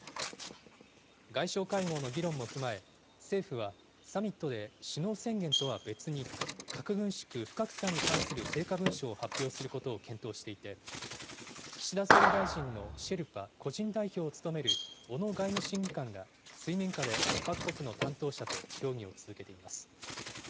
外相会合の議論も踏まえ、政府はサミットで首脳宣言とは別に、核軍縮・不拡散に関する成果文書を発表することを検討していて、岸田総理大臣のシェルパ・個人代表を務める小野外務審議官が、水面下で各国の担当者と協議を続けています。